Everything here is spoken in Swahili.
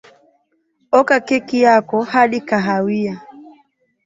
oka keki yako hadi kahawia